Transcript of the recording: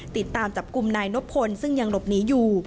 ติดตามจับกลุ่มนายนบพลซึ่งยังหลบหนีอยู่